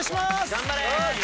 頑張れ！